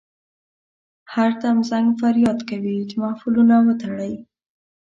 هر دم زنګ فریاد کوي چې محملونه وتړئ.